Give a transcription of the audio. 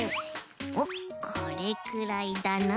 おっこれくらいだな。